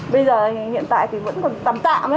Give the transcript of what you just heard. bây giờ hiện tại thì vẫn còn tầm tạm